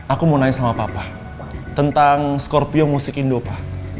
aku mau nanya sama papa tentang scorpion musik indo pak